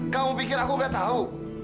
kamu pikir aku gak tahu